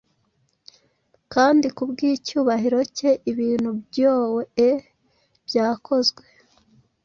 Kandi kubwicyubahiro cye ibintu byoe byakozwe,